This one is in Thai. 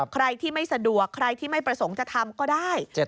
ใครที่ไม่สะดวกใครที่ไม่ประสงค์จะทำก็ได้